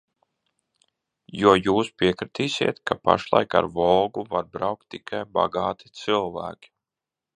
"Jo jūs piekritīsit, ka pašlaik ar "Volgu" var braukt tikai bagāti cilvēki."